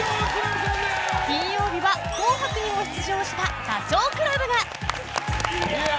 ［金曜日は『紅白』にも出場したダチョウ倶楽部が］ヤー！